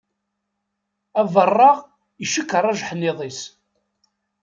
Abaṛeɣ icekkeṛ ajeḥniḍ-is.